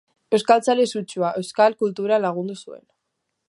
Euskaltzale sutsua, euskal kultura lagundu zuen.